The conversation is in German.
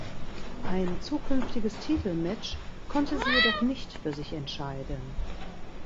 Ein zukünftiges Titelmatch konnte sie jedoch nicht für sich entscheiden.